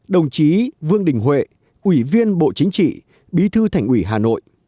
đồng chí vương đình huệ ủy viên bộ chính trị bí thư thành ủy hà nội